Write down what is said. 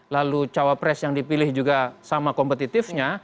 lalu cawapres yang dipilih juga sama kompetitifnya